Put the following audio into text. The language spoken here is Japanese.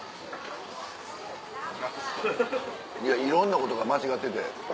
いやいろんなことが間違ってて。